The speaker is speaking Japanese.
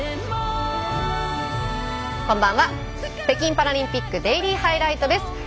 北京パラリンピックデイリーハイライトです。